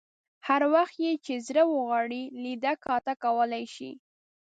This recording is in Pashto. هر وخت یې چې زړه وغواړي لیده کاته کولای شي.